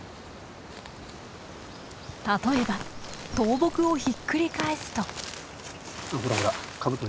例えば倒木をひっくり返すと。